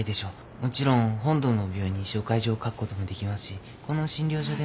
もちろん本土の病院に紹介状を書くこともできますしこの診療所で。